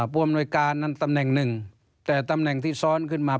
ผู้อำนวยการนั้นตำแหน่งหนึ่งแต่ตำแหน่งที่ซ้อนขึ้นมา